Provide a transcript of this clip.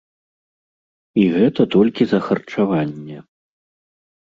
І гэта толькі за харчаванне.